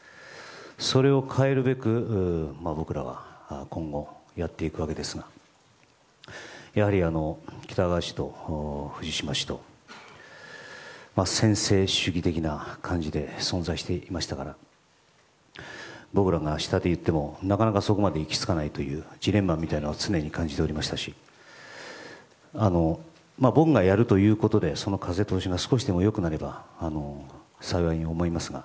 それを変えるべく僕らは今後やっていくわけですがやはり、喜多川氏と藤島氏と専制主義的な感じで存在していましたから僕らが言っても、なかなかそこまで行き着かないというジレンマみたいなものは常に感じていましたし僕がやるということでその風通しが少しでも良くなれば幸いに思いますが